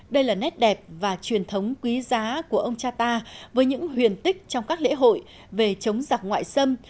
đây là nét đẹp và truyền thống quý giá của ông cha ta với những huyền tích trong các lễ hội về chống giặc ngoại xâm